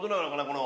この。